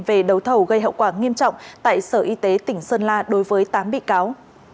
về đấu thầu gây hậu quả nghiêm trọng tại sở y tế tỉnh sơn la đối với tám bị cáo